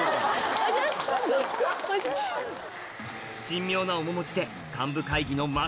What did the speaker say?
神妙な面持ちで